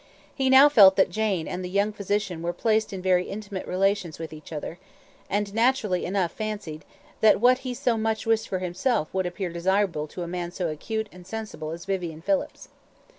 He now felt that Jane and the young physician were placed in very intimate relations with each other, and he naturally enough fancied that what he so much wished for himself would appear desirable to a man so acute and sensible as Vivian Phillips.